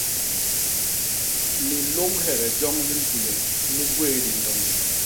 Lilôñhege joñ li ñkuleñ li gwéé didoñgi.